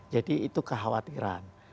jadi itu kekhawatiran